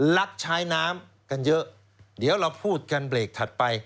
รับใช้น้ำกันเยอะเดี๋ยวเราพูดกันเบรกถัดไป